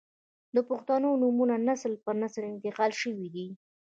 • د پښتو نومونه نسل پر نسل انتقال شوي دي.